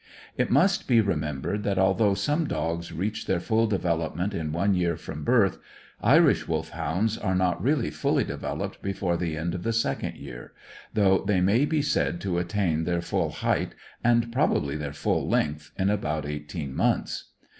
It must be remembered that although some dogs reach their full development in one year from birth, Irish Wolfhounds are not really fully developed before the end of the second year, though they may be said to attain their full height, and probably their full length, in about eighteen months.